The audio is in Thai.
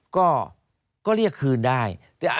ก็เรียกคืนได้